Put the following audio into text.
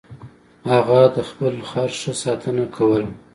هغه د خپل خر ښه ساتنه کوله.